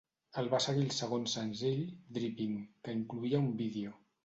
El va seguir el segon senzill, "Dripping", que incloïa un vídeo.